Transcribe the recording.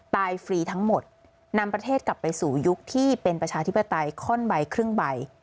ฟรีทั้งหมดนำประเทศกลับไปสู่ยุคที่เป็นประชาธิปไตยข้อนใบครึ่งใบ